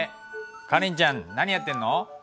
カレンちゃん何やってんの？